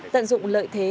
tận dụng lợi thế